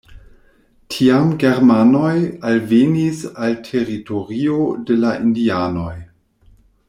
Tiam germanoj alvenis al teritorio de la indianoj.